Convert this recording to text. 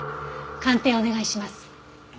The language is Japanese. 鑑定お願いします。